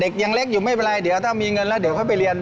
ยังเล็กอยู่ไม่เป็นไรเดี๋ยวถ้ามีเงินแล้วเดี๋ยวค่อยไปเรียน